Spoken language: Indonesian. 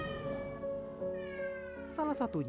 salah satunya yeli wanita asal kuitang jakarta pusat ini